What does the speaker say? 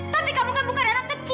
tapi kamu kan bukan anak kecil